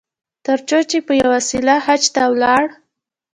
تر څو چې په یوه وسیله حج ته ولاړ.